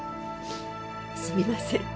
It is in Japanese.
すみません